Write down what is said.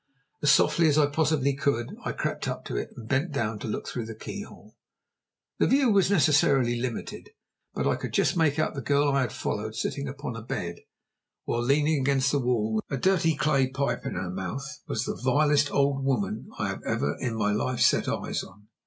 As softly as I possibly could, I crept up to it, and bent down to look through the keyhole. The view was necessarily limited, but I could just make out the girl I had followed sitting upon a bed; while leaning against the wall, a dirty clay pipe in her mouth, was the vilest old woman I have ever in my life set eyes on.